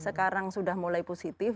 sekarang sudah mulai positif